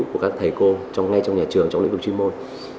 của các thầy cô ngay trong nhà trường trong lĩnh vực chuyên môn